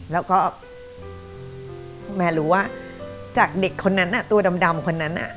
แล้วก็แม่รู้ว่าจากเด็กคนนั้นตัวดำคนนั้น